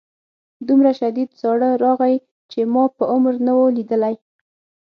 دومره شدید ساړه راغی چې ما په عمر نه و لیدلی